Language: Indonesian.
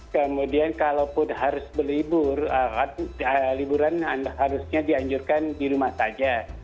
kemudian kalaupun harus berlibur liburan harusnya dianjurkan di rumah saja